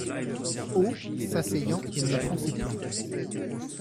Haut, s’asseyant et montrant ses plans.